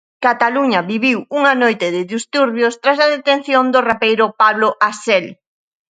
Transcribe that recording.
Cataluña viviu unha noite de disturbios tras a detención do rapeiro Pablo Hasél.